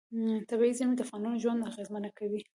طبیعي زیرمې د افغانانو ژوند اغېزمن کوي.